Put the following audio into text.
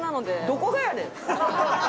どこがや！